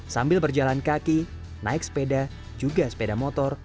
sambil berjalan kaki naik sepeda juga sepeda motor